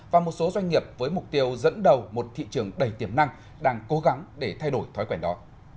và một số doanh nghiệp với mục tiêu dẫn đầu một thị trường đầy tiềm năng đang cố gắng để thay đổi thói quen đó